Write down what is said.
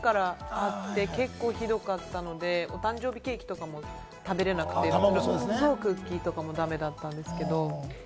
生まれたときからあって結構ひどかったので、お誕生日ケーキとかも食べられなくて、クッキーとかも駄目だったんですけれども。